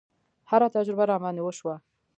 هره تجربه راباندې وشوه.